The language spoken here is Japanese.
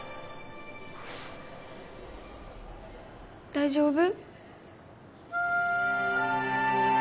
大丈夫？